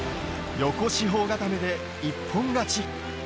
横四方固めで一本勝ち。